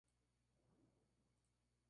Alcanzado por nuestra percepción.